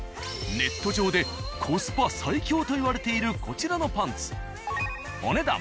ネット上でコスパ最強といわれているこちらのパンツお値段。